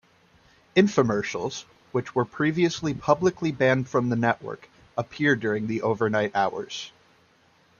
Infomercials, which were previously publicly banned from the network, appear during the overnight hours.